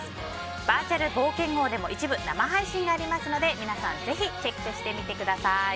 バーチャル冒険王でも一部生配信がありますのでぜひチェックしてみてください！